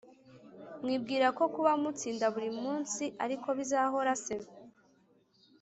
mwibwira ko kuba mutsinda buri munsi ariko bizahora se